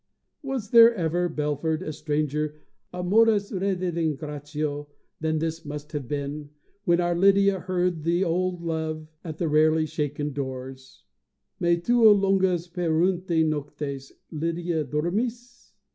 Was there ever, Belford, a stranger amoris redintegratio than this must have been, when our Lydia heard the old love at the rarely shaken doors: Me tuo longas pereunte noctes, Lydia, dormis?